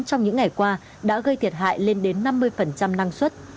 trong những ngày qua đã gây thiệt hại lên đến năm mươi năng suất